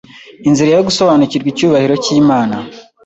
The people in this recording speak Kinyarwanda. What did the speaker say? inzira yo gusobanukirwa icyubahiro cyImana